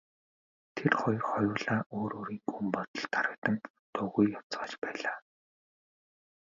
Тэр хоёр хоёулаа өөр өөрийн гүн бодолд дарагдан дуугүй явцгааж байлаа.